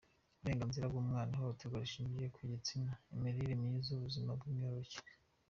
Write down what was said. Uburenganzira bw’umwana, Ihohoterwa rishingiye ku gitsina, Imirire myiza, Ubuzima bw’imyororokere,.